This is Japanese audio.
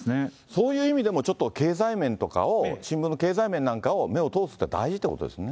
そういう意味でもちょっと経済面とかを新聞の経済面なんかを目を通すって、大事ってことですよね。